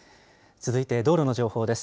続いて道路の情報です。